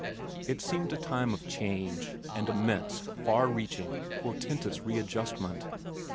It seemed a time of change, and immense, far reaching, portentous readjustment.